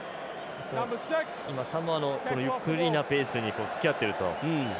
サモアのゆっくりなペースにつきあってると。